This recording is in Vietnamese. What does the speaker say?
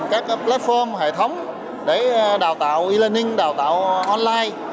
các platform hệ thống để đào tạo e learning đào tạo online